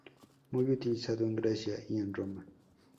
Muy utilizado en Grecia y en Roma.